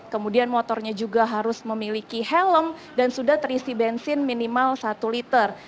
kemudian motornya juga harus memiliki helm dan sudah terisi bensin minimal satu liter